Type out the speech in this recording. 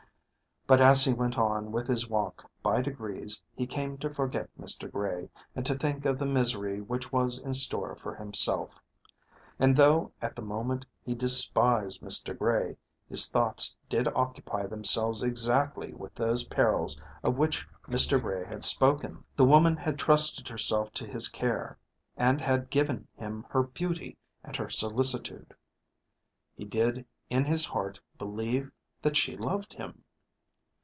But as he went on with his walk by degrees he came to forget Mr. Gray, and to think of the misery which was in store for himself. And though at the moment he despised Mr. Gray, his thoughts did occupy themselves exactly with those perils of which Mr. Gray had spoken. The woman had trusted herself to his care and had given him her beauty and her solicitude. He did in his heart believe that she loved him.